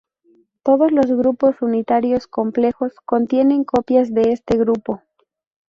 Todos los grupos unitarios complejos contienen copias de este grupo.